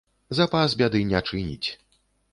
Запас бяды не чыніць.